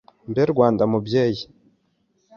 Mbe Rwanda mubyeyi